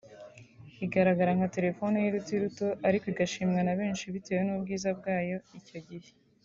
Igaragara nka telefone y’uruti ruto ariko igashimwa na benshi bitewe n’ubwiza bwayo icyo gihe